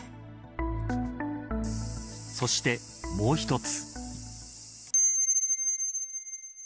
そして、もう一つ。